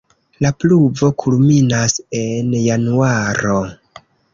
La pluvo kulminas en januaro.